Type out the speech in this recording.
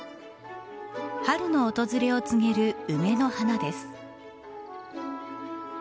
春の訪れを告げる梅の花です。